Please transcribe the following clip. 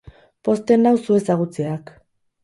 Pozten nau zu ezagutzeak